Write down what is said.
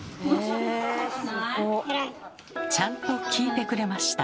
ちゃんと聞いてくれました。